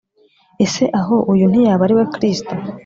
“Ese aho uyu ntiyaba ari we Kristo